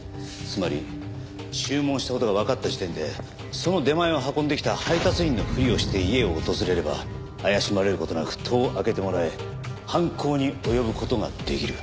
つまり注文した事がわかった時点でその出前を運んできた配達員のふりをして家を訪れれば怪しまれる事なく戸を開けてもらえ犯行に及ぶ事ができる。